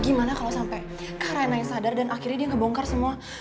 gimana kalau sampai kah rainanya sadar dan akhirnya dia ngebongkar semua